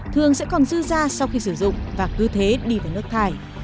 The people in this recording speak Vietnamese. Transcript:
thường sẽ còn dư ra sau khi sử dụng và cứ thế đi vào nước thải